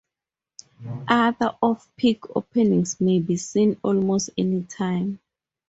Other, off-peak openings may be seen almost anytime.